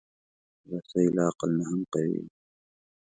رسۍ له عقل نه هم قوي وي.